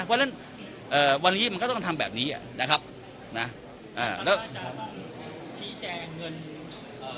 เพราะฉะนั้นเอ่อวันนี้มันก็ต้องทำแบบนี้อ่ะนะครับนะอ่าแล้วชี้แจงเงินเอ่อ